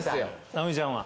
直美ちゃんは？